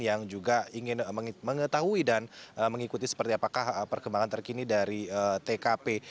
yang juga ingin mengetahui dan mengikuti seperti apakah perkembangan terkini dari tkp